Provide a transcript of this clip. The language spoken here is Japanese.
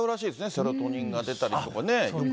セロトニンが出たりとかね。